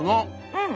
うん。